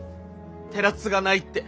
寺継がないって。